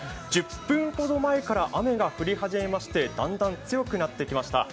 １０分ほど前から雨が降り始めましてだんだん強くなってきました。